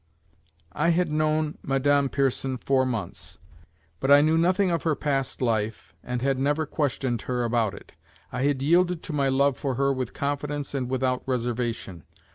I had known Madame Pierson four months, but I knew nothing of her past life and had never questioned her about it. I had yielded to my love for her with confidence and without reservation.